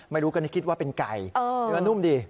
ไม่รู้กันจะคิดว่าเป็นไก่หรือว่านุ่มดี